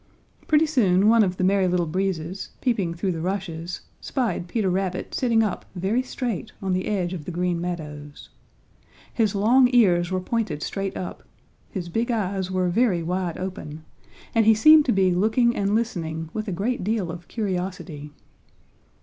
Pretty soon one of the Merry Little Breezes, peeping through the rushes, spied Peter Rabbit sitting up very straight on the edge of the Green Meadows. His long ears were pointed straight up, his big eyes were very wide open and he seemed to be looking and listening with a great deal of curiosity.